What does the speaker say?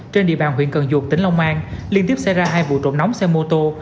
trên địa bàn huyện cần duột tỉnh long an liên tiếp xảy ra hai vụ trộm nóng xe mô tô